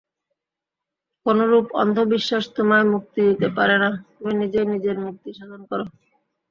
কোনরূপ অন্ধবিশ্বাস তোমায় মুক্তি দিতে পারে না, তুমি নিজেই নিজের মুক্তি-সাধন কর।